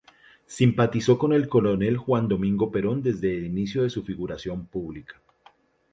Simpatizó con el coronel Juan Domingo Perón desde el inicio de su figuración pública.